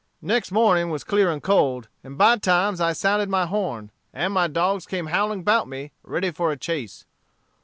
"Next morning was clear and cold, and by times I sounded my horn, and my dogs came howling 'bout me, ready for a chase.